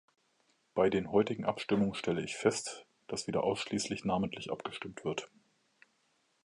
Bei den heutigen Abstimmungen stelle ich fest, dass wieder ausschließlich namentlich abgestimmt wird.